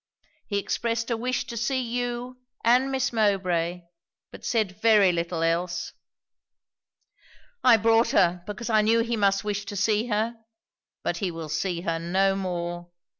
He expressed a wish to see you and Miss Mowbray; but said very little else.' 'I brought her, because I knew he must wish to see her. But he will see her no more!'